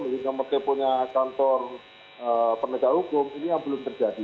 misalnya nomor teleponnya kantor perniagaan hukum ini yang belum terjadi